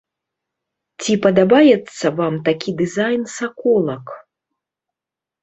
Ці падабаецца вам такі дызайн саколак?